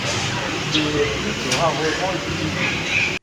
Il n'est plus que rarement utilisé.